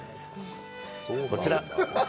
こちら。